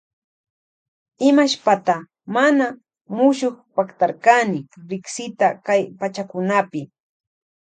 Imashpata mana mushukpaktarkani riksita kay pachakunapi.